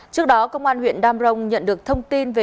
trước đó công an huyện đam rồng nhận được thông tin về